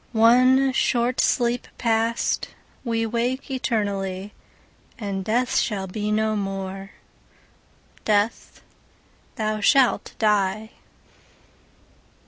One short sleep past, we wake eternally, And Death shall be no more: Death, thou shalt die!